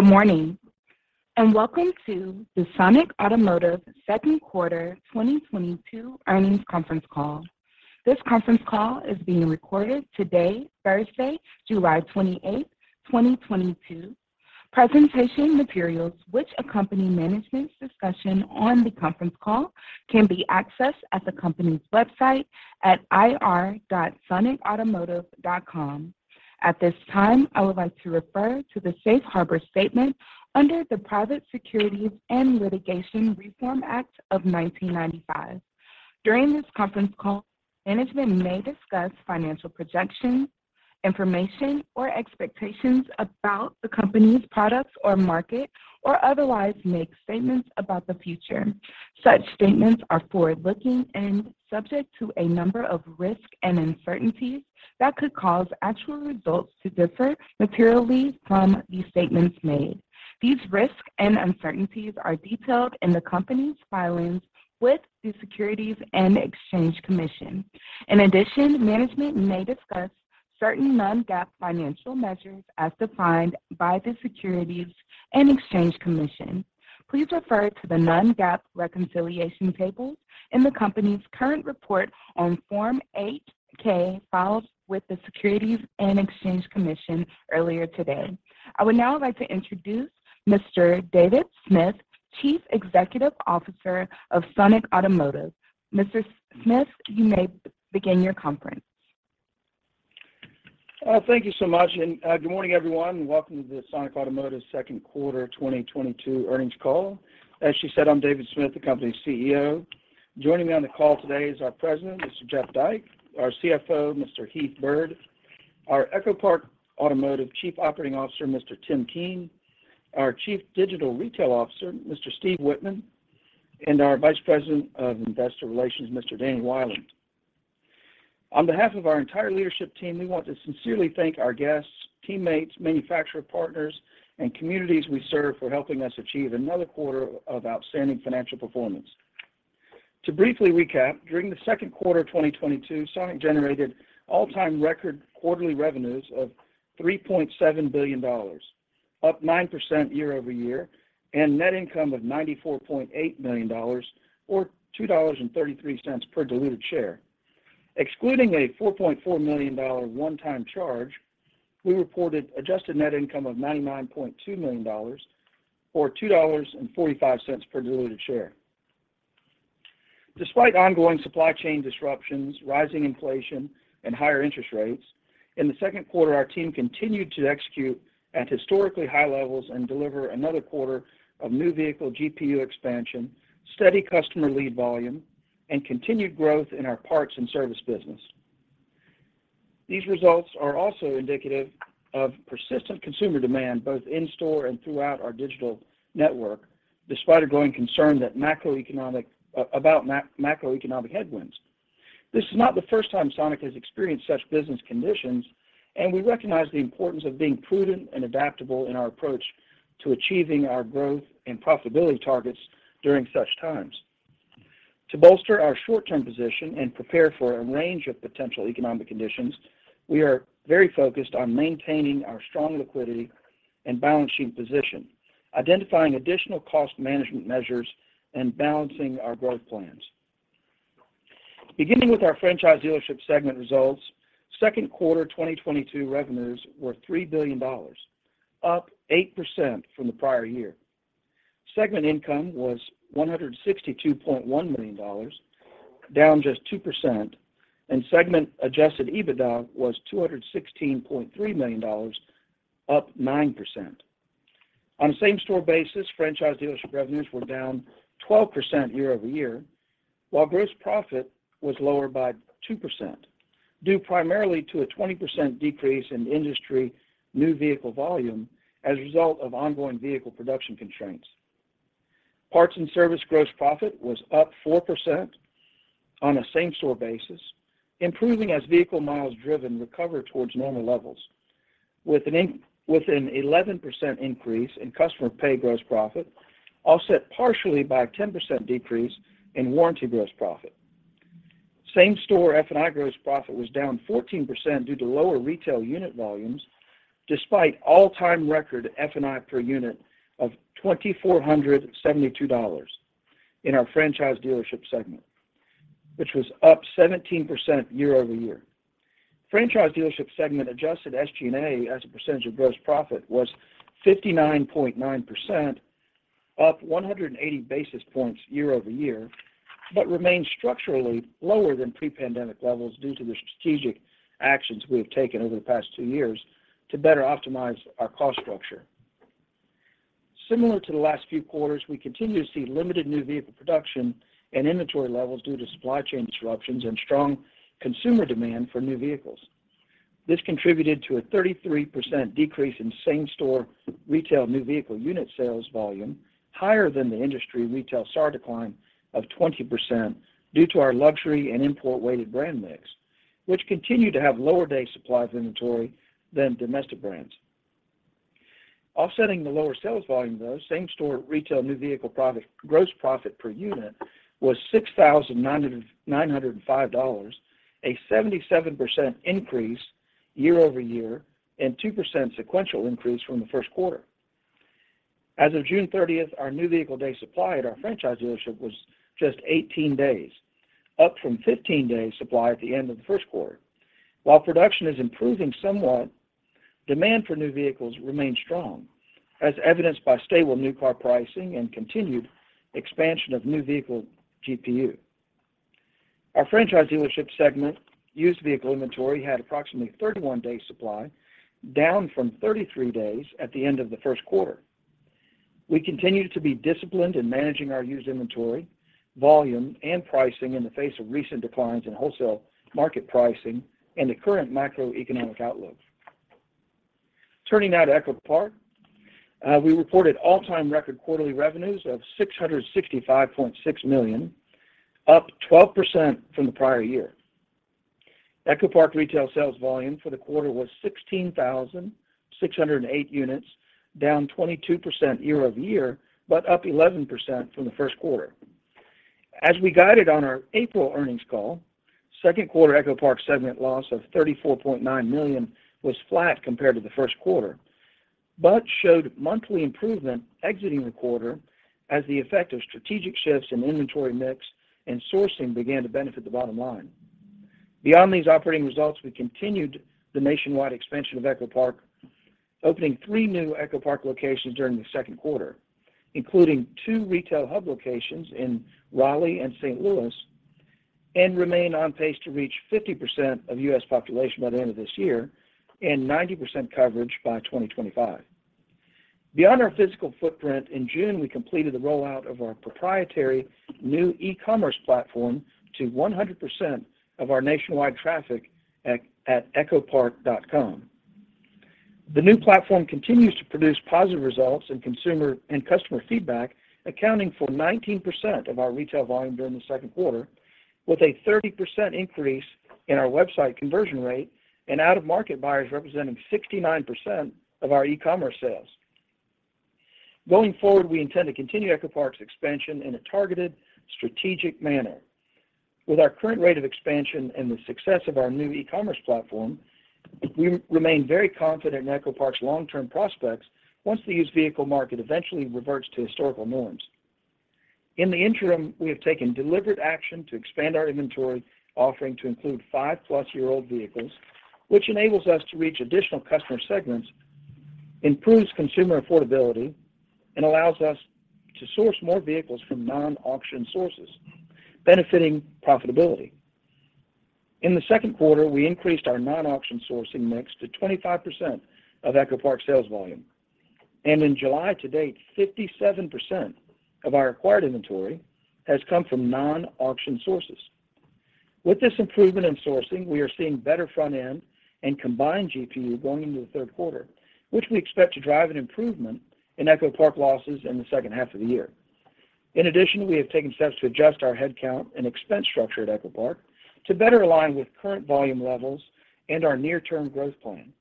Good morning, and welcome to the Sonic Automotive Second Quarter 2022 Earnings Conference Call. This conference call is being recorded today, Thursday, July 28th, 2022. Presentation materials which accompany management's discussion on the conference call can be accessed at the company's website at ir.sonicautomotive.com. At this time, I would like to refer to the safe harbor statement under the Private Securities Litigation Reform Act of 1995. During this conference call, management may discuss financial projections, information, or expectations about the company's products or market, or otherwise make statements about the future. Such statements are forward-looking and subject to a number of risks and uncertainties that could cause actual results to differ materially from these statements made. These risks and uncertainties are detailed in the company's filings with the Securities and Exchange Commission. In addition, management may discuss certain non-GAAP financial measures as defined by the Securities and Exchange Commission. Please refer to the non-GAAP reconciliation tables in the company's current report on Form 8-K filed with the Securities and Exchange Commission earlier today. I would now like to introduce Mr. David Smith, Chief Executive Officer of Sonic Automotive. Mr. Smith, you may begin your conference. Thank you so much, and good morning, everyone. Welcome to the Sonic Automotive second quarter 2022 earnings call. As she said, I'm David Smith, the company's CEO. Joining me on the call today is our President, Mr. Jeff Dyke, our CFO, Mr. Heath Byrd, our EchoPark Automotive Chief Operating Officer, Mr. Tim Keane, our Chief Digital Retail Officer, Mr. Steve Wittman, and our Vice President of Investor Relations, Mr. Danny Wieland. On behalf of our entire leadership team, we want to sincerely thank our guests, teammates, manufacturer partners, and communities we serve for helping us achieve another quarter of outstanding financial performance. To briefly recap, during the second quarter of 2022, Sonic generated all-time record quarterly revenues of $3.7 billion, up 9% year-over-year, and net income of $94.8 million or $2.33 per diluted share. Excluding a $4.4 million one-time charge, we reported adjusted net income of $99.2 million or $2.45 per diluted share. Despite ongoing supply chain disruptions, rising inflation, and higher interest rates, in the second quarter, our team continued to execute at historically high levels and deliver another quarter of new vehicle GPU expansion, steady customer lead volume, and continued growth in our parts and service business. These results are also indicative of persistent consumer demand, both in store and throughout our digital network, despite a growing concern that macroeconomic headwinds. This is not the first time Sonic has experienced such business conditions, and we recognize the importance of being prudent and adaptable in our approach to achieving our growth and profitability targets during such times. To bolster our short-term position and prepare for a range of potential economic conditions, we are very focused on maintaining our strong liquidity and balance sheet position, identifying additional cost management measures, and balancing our growth plans. Beginning with our franchise dealership segment results, second quarter 2022 revenues were $3 billion, up 8% from the prior year. Segment income was $162.1 million, down just 2%, and segment adjusted EBITDA was $216.3 million, up 9%. On a same-store basis, franchise dealership revenues were down 12% year-over-year, while gross profit was lower by 2%, due primarily to a 20% decrease in industry new vehicle volume as a result of ongoing vehicle production constraints. Parts and service gross profit was up 4% on a same-store basis, improving as vehicle miles driven recover towards normal levels with an 11% increase in customer pay gross profit, offset partially by a 10% decrease in warranty gross profit. Same-store F&I gross profit was down 14% due to lower retail unit volumes, despite all-time record F&I per unit of $2,472 in our franchise dealership segment, which was up 17% year-over-year. Franchise dealership segment adjusted SG&A as a percentage of gross profit was 59.9%, up 180 basis points year-over-year, but remains structurally lower than pre-pandemic levels due to the strategic actions we have taken over the past two years to better optimize our cost structure. Similar to the last few quarters, we continue to see limited new vehicle production and inventory levels due to supply chain disruptions and strong consumer demand for new vehicles. This contributed to a 33% decrease in same-store retail new vehicle unit sales volume, higher than the industry retail SAR decline of 20% due to our luxury and import-weighted brand mix, which continue to have lower day supplies inventory than domestic brands. Offsetting the lower sales volume, though, same-store retail new vehicle gross profit per unit was $6,905, a 77% increase year-over-year and 2% sequential increase from the first quarter. As of June thirtieth, our new vehicle day supply at our franchise dealership was just 18 days, up from 15 days supply at the end of the first quarter. While production is improving somewhat, demand for new vehicles remains strong, as evidenced by stable new car pricing and continued expansion of new vehicle GPU. Our franchise dealership segment used vehicle inventory had approximately 31 day supply, down from 33 days at the end of the first quarter. We continue to be disciplined in managing our used inventory, volume, and pricing in the face of recent declines in wholesale market pricing and the current macroeconomic outlook. Turning now to EchoPark, we reported all-time record quarterly revenues of $665.6 million, up 12% from the prior year. EchoPark retail sales volume for the quarter was 16,608 units, down 22% year-over-year, but up 11% from the first quarter. As we guided on our April earnings call, second quarter EchoPark segment loss of $34.9 million was flat compared to the first quarter, but showed monthly improvement exiting the quarter as the effect of strategic shifts in inventory mix and sourcing began to benefit the bottom line. Beyond these operating results, we continued the nationwide expansion of EchoPark, opening three new EchoPark locations during the second quarter, including two retail hub locations in Raleigh and St. Louis, remain on pace to reach 50% of U.S. population by the end of this year and 90% coverage by 2025. Beyond our physical footprint, in June, we completed the rollout of our proprietary new e-commerce platform to 100% of our nationwide traffic at echopark.com. The new platform continues to produce positive results in consumer and customer feedback, accounting for 19% of our retail volume during the second quarter, with a 30% increase in our website conversion rate and out-of-market buyers representing 69% of our e-commerce sales. Going forward, we intend to continue EchoPark's expansion in a targeted, strategic manner. With our current rate of expansion and the success of our new e-commerce platform, we remain very confident in EchoPark's long-term prospects once the used vehicle market eventually reverts to historical norms. In the interim, we have taken deliberate action to expand our inventory offering to include five plus year-old vehicles, which enables us to reach additional customer segments, improves consumer affordability, and allows us to source more vehicles from non-auction sources, benefiting profitability. In the second quarter, we increased our non-auction sourcing mix to 25% of EchoPark sales volume. In July to date, 57% of our acquired inventory has come from non-auction sources. With this improvement in sourcing, we are seeing better front end and combined GPU going into the third quarter, which we expect to drive an improvement in EchoPark losses in the second half of the year. In addition, we have taken steps to adjust our headcount and expense structure at EchoPark to better align with current volume levels and our near-term growth plan.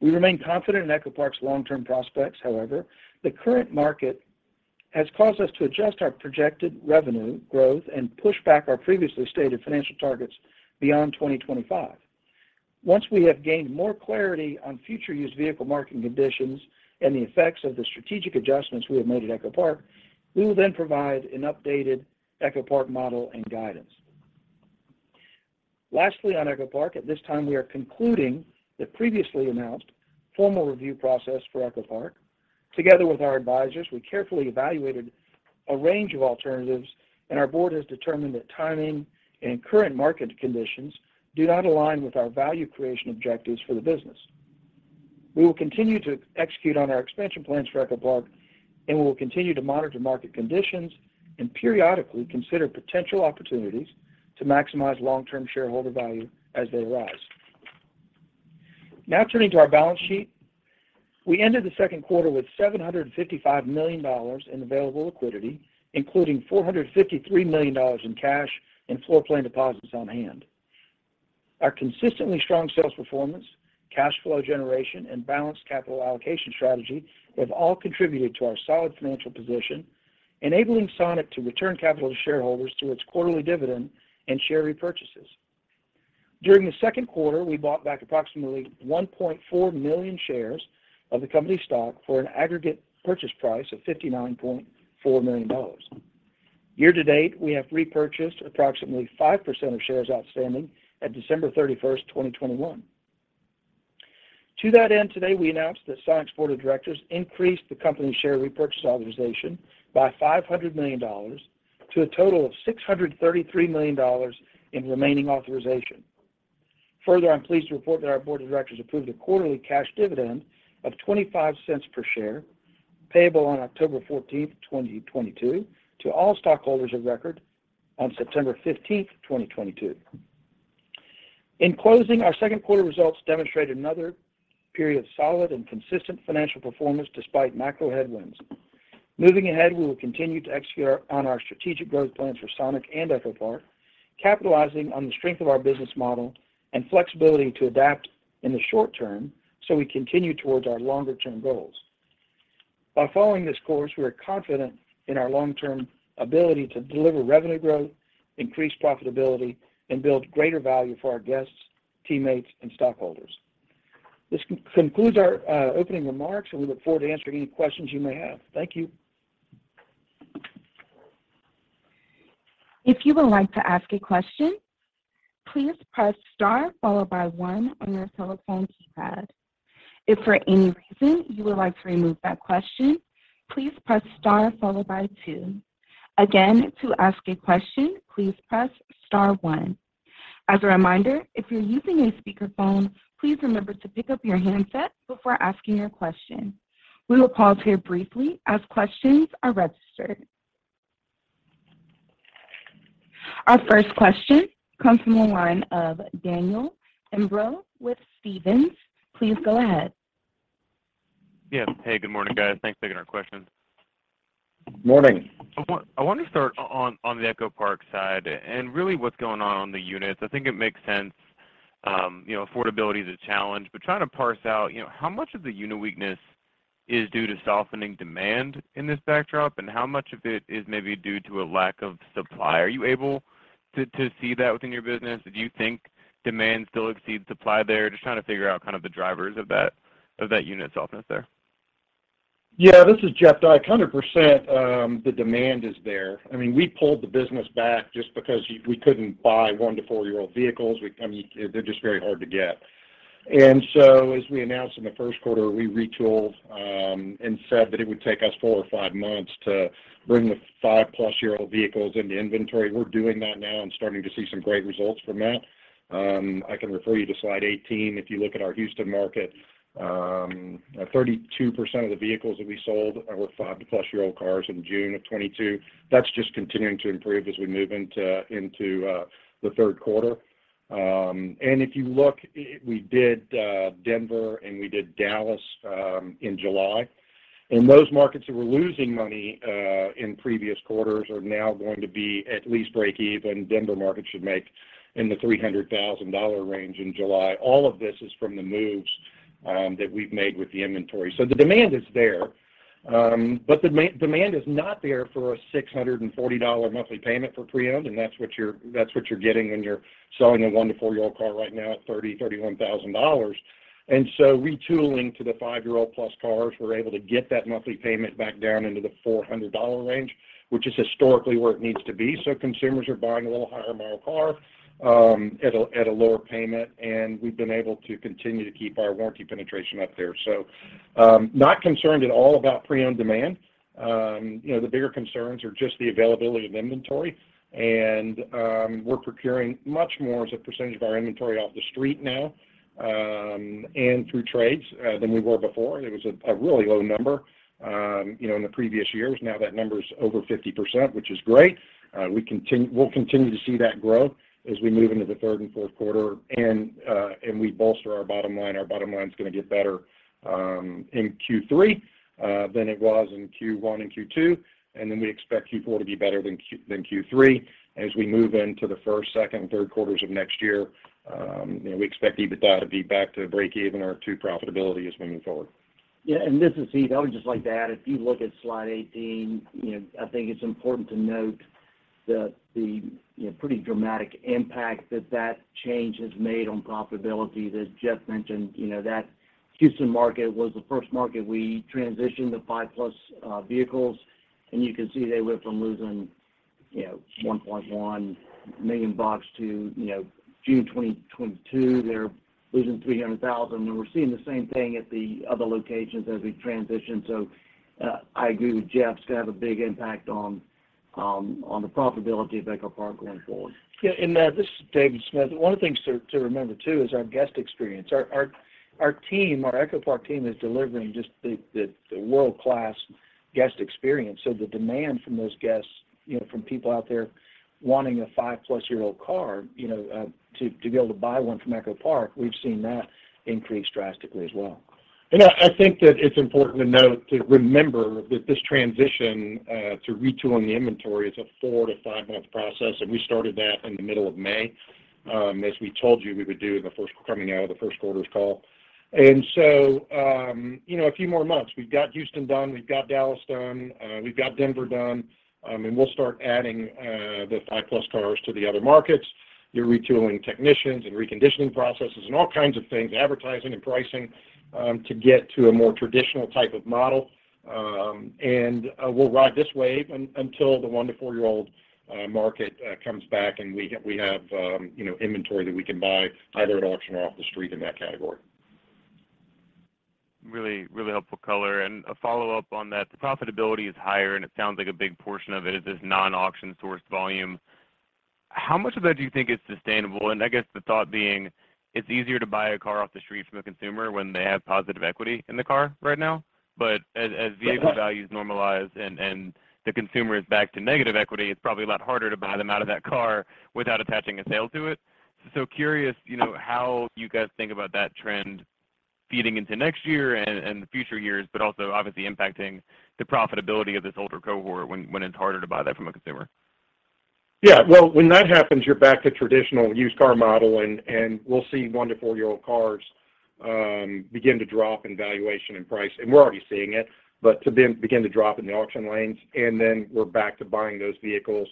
We remain confident in EchoPark's long-term prospects. However, the current market has caused us to adjust our projected revenue growth and push back our previously stated financial targets beyond 2025. Once we have gained more clarity on future used vehicle market conditions and the effects of the strategic adjustments we have made at EchoPark, we will then provide an updated EchoPark model and guidance. Lastly, on EchoPark, at this time, we are concluding the previously announced formal review process for EchoPark. Together with our advisors, we carefully evaluated a range of alternatives, and our board has determined that timing and current market conditions do not align with our value creation objectives for the business. We will continue to execute on our expansion plans for EchoPark, and we will continue to monitor market conditions and periodically consider potential opportunities to maximize long-term shareholder value as they arise. Now turning to our balance sheet. We ended the second quarter with $755 million in available liquidity, including $453 million in cash and floor plan deposits on hand. Our consistently strong sales performance, cash flow generation, and balanced capital allocation strategy have all contributed to our solid financial position, enabling Sonic to return capital to shareholders through its quarterly dividend and share repurchases. During the second quarter, we bought back approximately 1.4 million shares of the company's stock for an aggregate purchase price of $59.4 million. Year to date, we have repurchased approximately 5% of shares outstanding at December 31, 2021. To that end, today, we announced that Sonic's board of directors increased the company's share repurchase authorization by $500 million to a total of $633 million in remaining authorization. Further, I'm pleased to report that our board of directors approved a quarterly cash dividend of $0.25 per share payable on October fourteenth, 2022, to all stockholders of record on September fifteenth, 2022. In closing, our second quarter results demonstrate another period of solid and consistent financial performance despite macro headwinds. Moving ahead, we will continue to execute on our strategic growth plans for Sonic and EchoPark, capitalizing on the strength of our business model and flexibility to adapt in the short term so we continue towards our longer-term goals. By following this course, we are confident in our long-term ability to deliver revenue growth, increase profitability, and build greater value for our guests, teammates, and stockholders. This concludes our opening remarks, and we look forward to answering any questions you may have. Thank you. If you would like to ask a question, please press star followed by one on your telephone keypad. If for any reason you would like to remove that question, please press star followed by two. Again, to ask a question, please press star one. As a reminder, if you're using a speakerphone, please remember to pick up your handset before asking your question. We will pause here briefly as questions are registered. Our first question comes from the line of Daniel Imbro with Stephens. Please go ahead. Yes. Hey, good morning, guys. Thanks for taking our questions. Morning. I wanted to start on the EchoPark side, and really what's going on on the units. I think it makes sense, you know, affordability is a challenge, but trying to parse out, you know, how much of the unit weakness is due to softening demand in this backdrop, and how much of it is maybe due to a lack of supply? Are you able to see that within your business? Do you think demand still exceeds supply there? Just trying to figure out kind of the drivers of that unit softness there. Yeah. This is Jeff Dyke. 100%, the demand is there. I mean, we pulled the business back just because we couldn't buy one to four-year-old vehicles. I mean, they're just very hard to get. As we announced in the first quarter, we retooled and said that it would take us four or five months to bring the five plus year-old vehicles into inventory. We're doing that now and starting to see some great results from that. I can refer you to slide 18. If you look at our Houston market, 32% of the vehicles that we sold were five plus year-old cars in June of 2022. That's just continuing to improve as we move into the third quarter. If you look, we did Denver and we did Dallas in July. In those markets that were losing money in previous quarters are now going to be at least break even. Denver market should make in the $300,000 range in July. All of this is from the moves that we've made with the inventory. The demand is there, but the demand is not there for a $640 monthly payment for pre-owned, and that's what you're getting when you're selling a one to four-year-old car right now at $30,000-$31,000. Retooling to the five year-old plus cars, we're able to get that monthly payment back down into the $400 range, which is historically where it needs to be. Consumers are buying a little higher mile car at a lower payment, and we've been able to continue to keep our warranty penetration up there. Not concerned at all about pre-owned demand. You know, the bigger concerns are just the availability of inventory, and we're procuring much more as a percentage of our inventory off the street now, and through trades than we were before. It was a really low number, you know, in the previous years. Now that number is over 50%, which is great. We'll continue to see that growth as we move into the third and fourth quarter, and we bolster our bottom line. Our bottom line is gonna get better in Q3 than it was in Q1 and Q2, and then we expect Q4 to be better than Q3. As we move into the first, second, and third quarters of next year, you know, we expect EBITDA to be back to breakeven or to profitability as moving forward. Yeah, this is Heath. I would just like to add, if you look at slide 18, you know, I think it's important to note the pretty dramatic impact that that change has made on profitability that Jeff mentioned. You know, that Houston market was the first market we transitioned to five plus vehicles, and you can see they went from losing $1.1 million to June 2022, they're losing $300,000. We're seeing the same thing at the other locations as we transition. I agree with Jeff. It's gonna have a big impact on the profitability of EchoPark going forward. Yeah. This is David Smith. One of the things to remember too is our guest experience. Our team, our EchoPark team is delivering just the world-class guest experience. The demand from those guests, you know, from people out there wanting a five plus year-old car, you know, to be able to buy one from EchoPark, we've seen that increase drastically as well. I think that it's important to note, to remember that this transition to retooling the inventory is a four to five month process, and we started that in the middle of May, as we told you we would do coming out of the first quarter's call. You know, a few more months. We've got Houston done, we've got Dallas done, we've got Denver done, and we'll start adding the five plus cars to the other markets. You're retooling technicians and reconditioning processes and all kinds of things, advertising and pricing, to get to a more traditional type of model. We'll ride this wave until the one to four-year-old market comes back and we have, you know, inventory that we can buy either at auction or off the street in that category. Really, really helpful color. A follow-up on that. The profitability is higher, and it sounds like a big portion of it is this non-auction sourced volume. How much of that do you think is sustainable? I guess the thought being it's easier to buy a car off the street from a consumer when they have positive equity in the car right now. But as vehicle values normalize and the consumer is back to negative equity, it's probably a lot harder to buy them out of that car without attaching a sale to it. Curious, you know, how you guys think about that trend feeding into next year and future years, but also obviously impacting the profitability of this older cohort when it's harder to buy that from a consumer. Yeah. Well, when that happens, you're back to traditional used car model, and we'll see one to four-year-old cars begin to drop in valuation and price. We're already seeing it, but to then begin to drop in the auction lanes, and then we're back to buying those vehicles,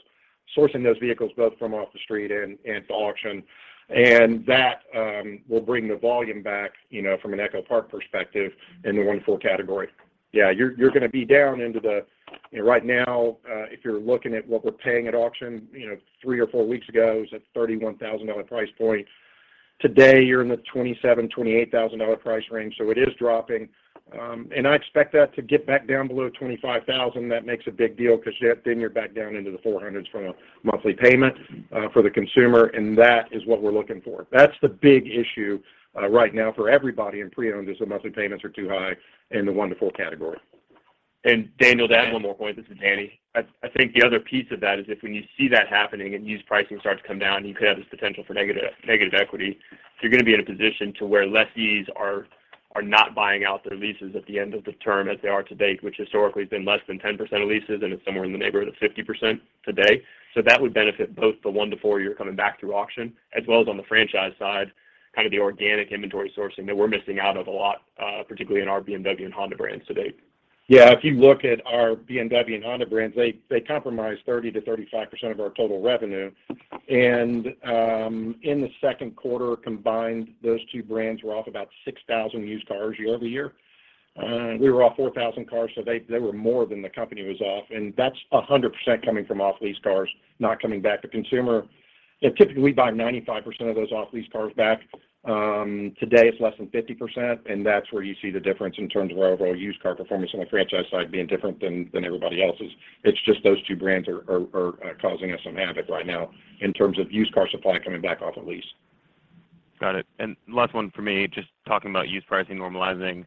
sourcing those vehicles both from off the street and to auction. That will bring the volume back, you know, from an EchoPark perspective in the one to four category. Yeah, you're gonna be down into the. Right now, if you're looking at what we're paying at auction, you know, three or four weeks ago, it was at $31,000 price point. Today, you're in the $27,000-$28,000 price range, so it is dropping. I expect that to get back down below $25,000. That makes a big deal because then you're back down into the $400s from a monthly payment for the consumer, and that is what we're looking for. That's the big issue right now for everybody in pre-owned is the monthly payments are too high in the $100-$400 category. Daniel, to add one more point. This is Danny. I think the other piece of that is if when you see that happening and used pricing starts to come down, you could have this potential for negative equity. You're gonna be in a position where lessees are not buying out their leases at the end of the term as they are to date, which historically has been less than 10% of leases, and it's somewhere in the neighborhood of 50% today. That would benefit both the one to four-year coming back through auction, as well as on the franchise side, kind of the organic inventory sourcing that we're missing out on a lot, particularly in our BMW and Honda brands to date. Yeah. If you look at our BMW and Honda brands, they comprise 30%-35% of our total revenue. In the second quarter, combined, those two brands were off about 6,000 used cars year-over-year. We were off 4,000 cars, so they were more than the company was off, and that's 100% coming from off-lease cars, not coming back to consumer. Typically, we buy 95% of those off-lease cars back. Today, it's less than 50%, and that's where you see the difference in terms of our overall used car performance on the franchise side being different than everybody else's. It's just those two brands are causing us some havoc right now in terms of used car supply coming back off of lease. Got it. Last one for me, just talking about used pricing normalizing.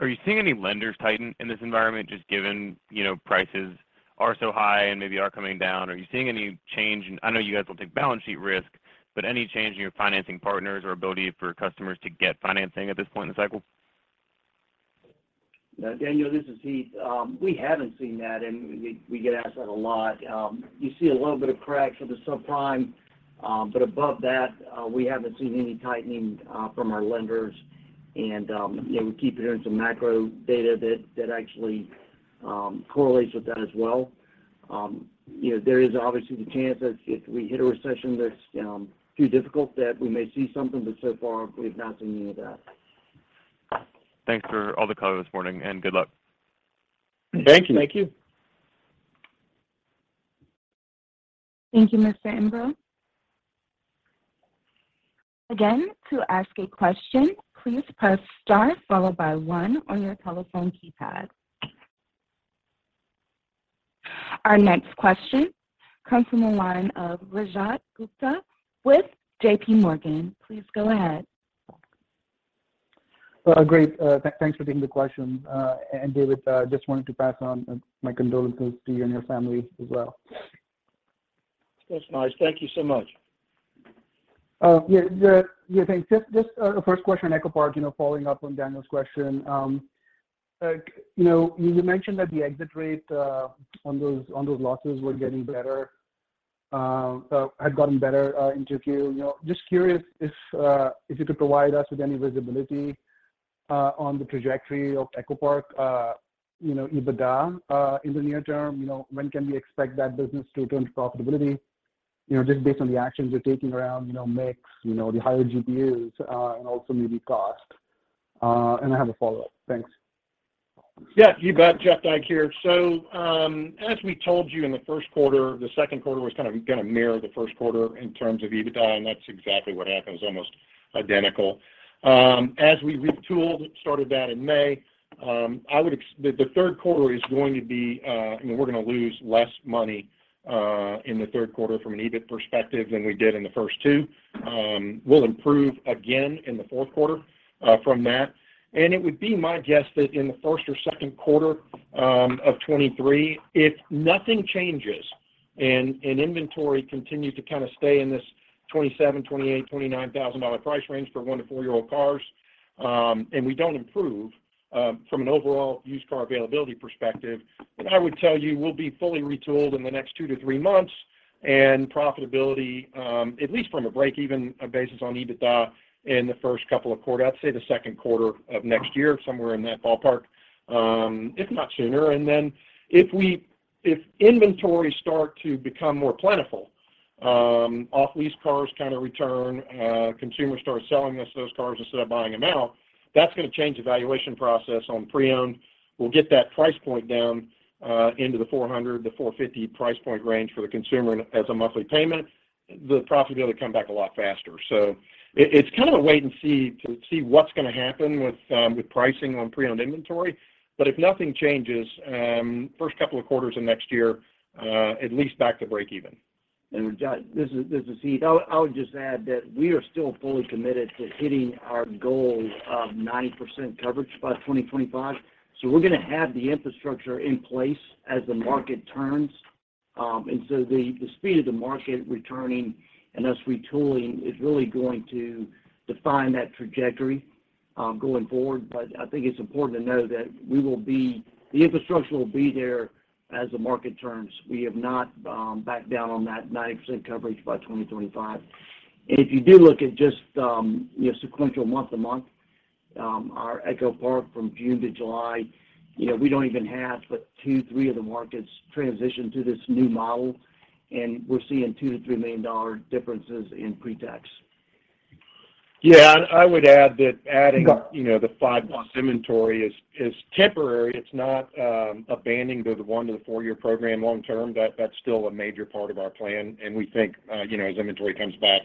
Are you seeing any lenders tighten in this environment just given, you know, prices are so high and maybe are coming down? Are you seeing any change in? I know you guys don't take balance sheet risk, but any change in your financing partners or ability for customers to get financing at this point in the cycle? Daniel, this is Heath. We haven't seen that, and we get asked that a lot. You see a little bit of cracks with the subprime, but above that, we haven't seen any tightening from our lenders. You know, we keep hearing some macro data that actually correlates with that as well. You know, there is obviously the chance that if we hit a recession that's too difficult that we may see something, but so far, we've not seen any of that. Thanks for all the color this morning, and good luck. Thank you. Thank you. Thank you, Mr. Imbro. Again, to ask a question, please press star followed by one on your telephone keypad. Our next question comes from the line of Rajat Gupta with JPMorgan. Please go ahead. Well, great. Thanks for taking the question. David, just wanted to pass on my condolences to you and your family as well. That's nice. Thank you so much. Yeah. Thanks. Just first question on EchoPark, you know, following up on Daniel's question. Like, you know, you mentioned that the exit rate on those losses had gotten better in Q2. You know, just curious if you could provide us with any visibility on the trajectory of EchoPark, you know, EBITDA in the near term. You know, when can we expect that business to turn to profitability, you know, just based on the actions you're taking around, you know, mix, you know, the higher GPUs and also maybe cost? And I have a follow-up. Thanks. Yeah. You bet. Jeff Dyke here. As we told you in the first quarter, the second quarter was kind of gonna mirror the first quarter in terms of EBITDA, and that's exactly what happened. It was almost identical. As we retooled, started that in May, the third quarter is going to be. I mean, we're gonna lose less money in the third quarter from an EBIT perspective than we did in the first two. We'll improve again in the fourth quarter from that. It would be my guess that in the first or second quarter of 2023, if nothing changes and inventory continues to kind of stay in this $27,000-$29,000 price range for one to four-year-old cars, and we don't improve from an overall used car availability perspective, then I would tell you we'll be fully retooled in the next two to three months, and profitability, at least from a break-even basis on EBITDA in the first couple of quarters. I'd say the second quarter of next year, somewhere in that ballpark, if not sooner. If inventory starts to become more plentiful, off-lease cars kind of return, consumers start selling us those cars instead of buying them out, that's gonna change the valuation process on pre-owned. We'll get that price point down into the $400-$450 price point range for the consumer as a monthly payment. The profitability will come back a lot faster. It's kind of a wait and see to see what's gonna happen with pricing on pre-owned inventory. If nothing changes, first couple of quarters of next year, at least back to break even. Rajat, this is Heath. I would just add that we are still fully committed to hitting our goal of 90% coverage by 2025. We're gonna have the infrastructure in place as the market turns. The speed of the market returning and us retooling is really going to define that trajectory, going forward. I think it's important to know that the infrastructure will be there as the market turns. We have not backed down on that 90% coverage by 2025. If you do look at just, you know, sequential month-to-month, our EchoPark from June to July, you know, we don't even have but two, three of the markets transition to this new model, and we're seeing $2 million-$3 million differences in pre-tax. Yeah. I would add that. You know, the five plus inventory is temporary. It's not abandoning the one to four-year program long term. That's still a major part of our plan. We think, as inventory comes back,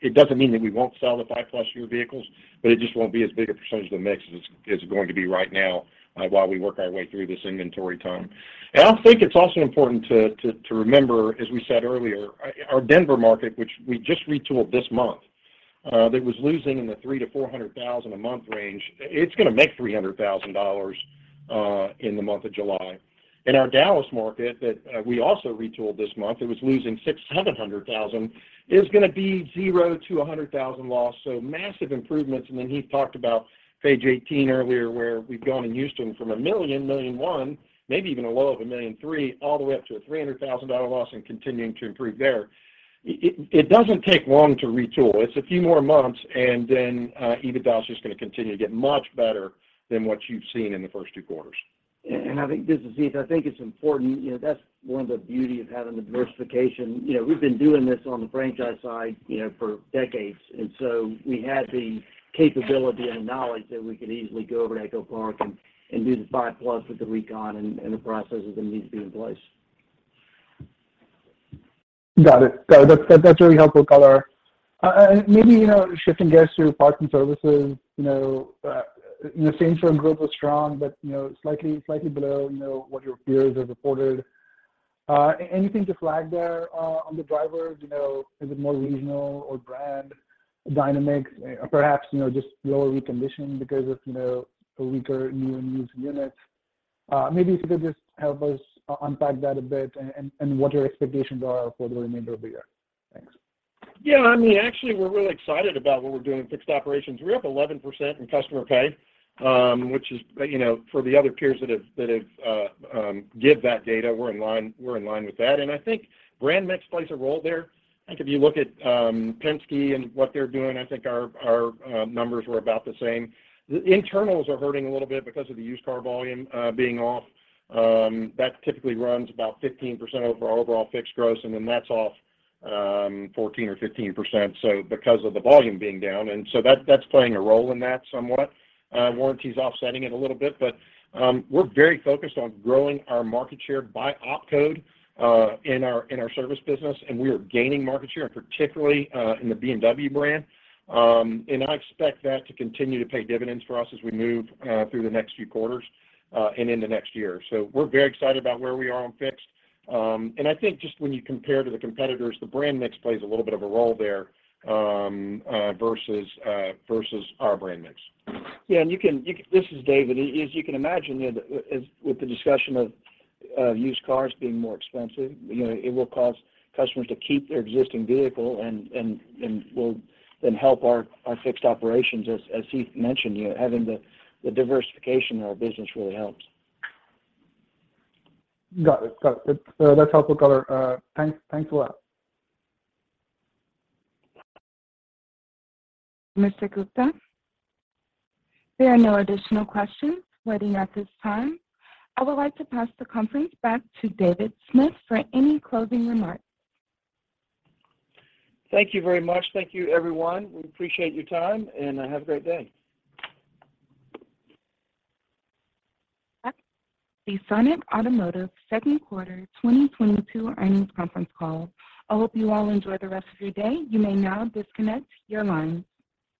it doesn't mean that we won't sell the five plus year vehicles, but it just won't be as big a percentage of the mix as it's going to be right now, while we work our way through this inventory tone. I think it's also important to remember, as we said earlier, our Denver market, which we just retooled this month, that was losing in the $300,000-$400,000 a month range, it's gonna make $300,000 in the month of July. In our Dallas market that we also retooled this month, it was losing $600,000-$700,000. It is gonna be $0-$100,000 loss, so massive improvements. Then he talked about page 18 earlier, where we've gone in Houston from a $1 million, $1.1 million, maybe even a low of a $1.3 million, all the way up to a $300,000 loss and continuing to improve there. It doesn't take long to retool. It's a few more months, and then EBITDA is just gonna continue to get much better than what you've seen in the first two quarters. I think. This is Heath. I think it's important, you know, that's one of the beauty of having the diversification. You know, we've been doing this on the franchise side, you know, for decades, and so we had the capability and knowledge that we could easily go over to EchoPark and do the five-plus with the reconditioning and the processes that need to be in place. Got it. That's very helpful color. Maybe, you know, shifting gears to parts and services. You know, same store growth was strong, but, you know, slightly below, you know, what your peers have reported. Anything to flag there, on the drivers? You know, is it more regional or brand dynamics or perhaps, you know, just lower reconditioning because of, you know, a weaker new and used units? Maybe if you could just help us unpack that a bit and what your expectations are for the remainder of the year. Thanks. Yeah. I mean, actually, we're really excited about what we're doing in fixed operations. We're up 11% in customer pay, which is, you know, for the other peers that have given that data, we're in line with that. I think brand mix plays a role there. I think if you look at Penske and what they're doing, I think our numbers were about the same. The internals are hurting a little bit because of the used car volume being off. That typically runs about 15% over our overall fixed gross, and then that's off 14% or 15%, so because of the volume being down. That's playing a role in that somewhat. Warranty is offsetting it a little bit, but we're very focused on growing our market share by op code in our service business, and we are gaining market share, and particularly in the BMW brand. I expect that to continue to pay dividends for us as we move through the next few quarters and into next year. We're very excited about where we are on fixed. I think just when you compare to the competitors, the brand mix plays a little bit of a role there versus our brand mix. Yeah. This is David. As you can imagine, you know, as with the discussion of used cars being more expensive, you know, it will cause customers to keep their existing vehicle and will then help our fixed operations. As Heath mentioned, you know, having the diversification in our business really helps. Got it. That's helpful color. Thanks a lot. Mr. Gupta, there are no additional questions waiting at this time. I would like to pass the conference back to David Smith for any closing remarks. Thank you very much. Thank you, everyone. We appreciate your time, and have a great day. That's the Sonic Automotive second quarter 2022 earnings conference call. I hope you all enjoy the rest of your day. You may now disconnect your lines.